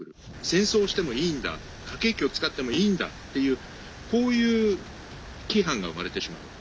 戦争をしてもいいんだ核兵器を使ってもいいんだというこういう規範が生まれてしまう。